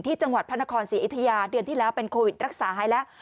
จังหวัดพระนครศรีอยุธยาเดือนที่แล้วเป็นโควิดรักษาหายแล้ว